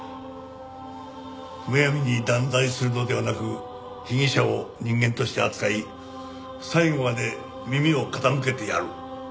むやみに断罪するのではなく被疑者を人間として扱い最後まで耳を傾けてやる。